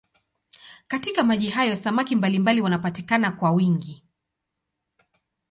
Katika maji hayo samaki mbalimbali wanapatikana kwa wingi.